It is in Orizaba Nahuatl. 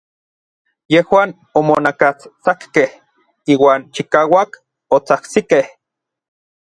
Yejuan omonakastsakkej iuan chikauak otsajtsikej.